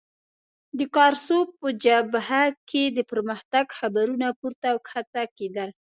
د کارسو په جبهه کې د پرمختګ خبرونه پورته او کښته کېدل.